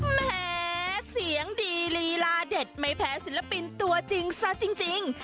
แหมเสียงดีลีลาเด็ดไม่แพ้ศิลปินตัวจริงซะจริง